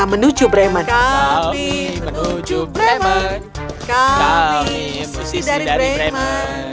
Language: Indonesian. kami menuju bremen kami menuju bremen kami berhenti dari bremen